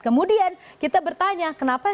kemudian kita bertanya kenapa sih amerika serikat